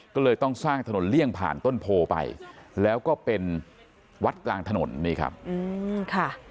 ก็เลยต้องสร้างถนนเลี่ยงผ่านต้นโพไปแล้วก็เป็นวัดกลางถนนนี่ครับอืมค่ะ